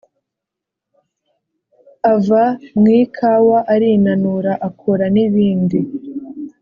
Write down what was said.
Ava mu ikawa arinanura akora nibindi